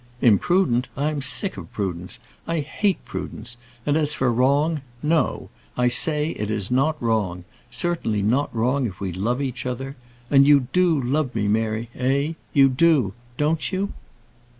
"Imprudent! I am sick of prudence. I hate prudence. And as for wrong no. I say it is not wrong; certainly not wrong if we love each other. And you do love me, Mary eh? You do! don't you?"